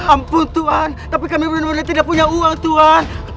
ampun tuhan tapi kami benar benar tidak punya uang tuhan